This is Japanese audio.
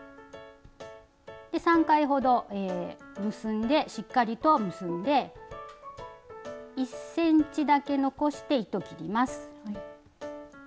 ３回ほど結んでしっかりと結んで１ｃｍだけ残して糸を切ります。